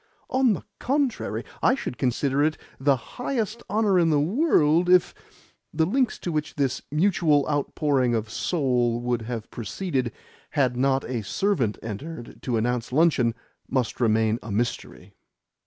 "On the contrary, I should consider it the highest honour in the world if " The lengths to which this mutual outpouring of soul would have proceeded had not a servant entered to announce luncheon must remain a mystery.